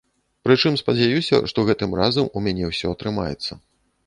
Прычым, спадзяюся, што гэтым разам у мяне ўсё атрымаецца.